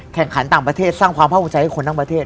แข่งขันต่างประเทศสร้างความภาคภูมิใจให้คนทั้งประเทศ